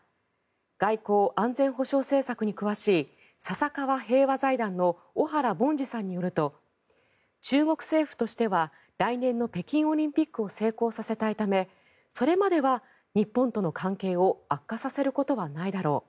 外交・安全保障政策に詳しい笹川平和財団の小原凡司さんによると中国政府としては来年の北京オリンピックを成功させたいためそれまでは日本との関係を悪化させることはないだろう